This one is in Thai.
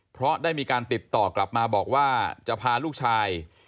เพราะได้มีการติดต่อกลับมาบอกว่าจะพาลูกชาย